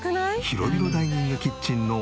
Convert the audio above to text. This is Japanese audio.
広々ダイニングキッチンの３ＤＫ。